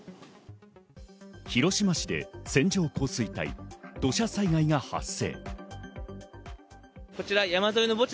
広島市で線状降水帯、土砂災害が発生。